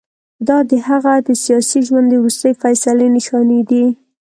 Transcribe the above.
دا د هغه د سیاسي ژوند د وروستۍ فیصلې نښانې دي.